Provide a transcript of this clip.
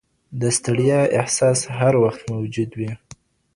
د ستړیا احساس هر وخت موجود وي.